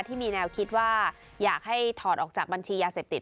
ที่มีแนวคิดว่าอยากให้ถอดออกจากบัญชียาเสพติด